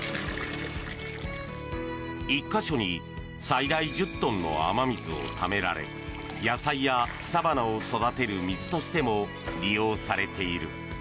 １か所に最大１０トンの雨水をためられ野菜や草花を育てる水としても利用されている。